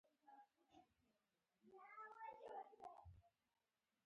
افغانستان تر هغو نه ابادیږي، ترڅو د بل چا خبره واوریدل زده نکړو.